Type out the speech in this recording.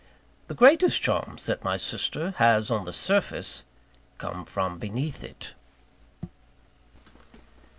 The greatest charms that my sister has on the surface, come from beneath it.